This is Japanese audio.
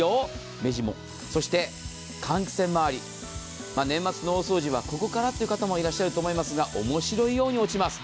目地も、換気扇周り、年末の大掃除はここからという方もいらっしゃると思いますが面白いように落ちます。